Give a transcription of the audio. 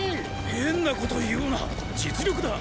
変なことを言うな実力だ！